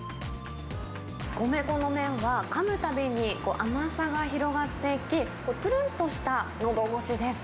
米粉の麺は、かむたびに甘さが広がっていき、つるんとしたのどごしです。